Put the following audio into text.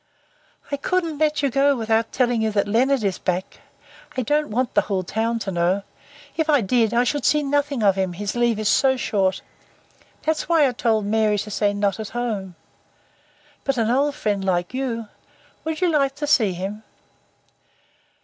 "I couldn't let you go without telling you that Leonard is back. I don't want the whole town to know. If it did, I should see nothing of him, his leave is so short. That's why I told Mary to say 'not at home.' But an old friend like you Would you like to see him?"